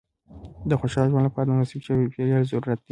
د خوشحاله ژوند لپاره د مناسب چاپېریال ضرورت دی.